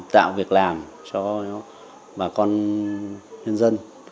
tạo việc làm cho bà con nhân dân